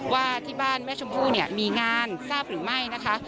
ว่าที่บ้านแม่ชมพู่เนี่ยมีงานทราบหรือไม่นะคะ